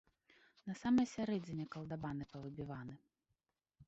На самай сярэдзіне калдабаны павыбіваны.